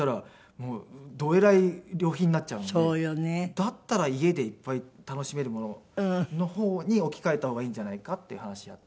だったら家でいっぱい楽しめるものの方に置き換えた方がいいんじゃないかって話し合って。